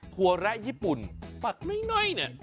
ถั่ญี่ปุ่นปักน้อยเนี่ย